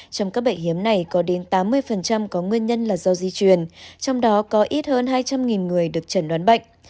trong các bệnh hiếm này có đến tám mươi có nguyên nhân là do di truyền trong đó có ít hơn hai trăm linh người được chẩn đoán bệnh